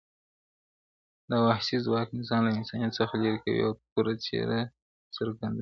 دا وحسي ځواک انسان له انسانيت څخه ليري کوي او توره څېره څرګندوي,